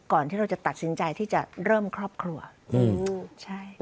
ก่อนที่เราจะตัดสินใจที่จะเริ่มครอบครัวใช่อืม